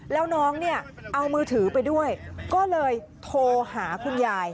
แล้วน้องเนี่ยเอามือถือไปด้วยก็เลยโทรหาคุณยาย